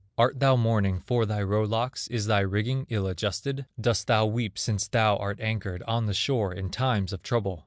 Art thou mourning for thy row locks, Is thy rigging ill adjusted? Dost thou weep since thou art anchored On the shore in times of trouble?"